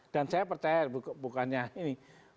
saya percaya bukannya ini